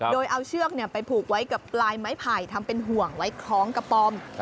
โดยเอาเชือกไปผูกไว้กับปลายไม้ไผ่ทำเป็นห่วงไว้คล้องกระป๋อม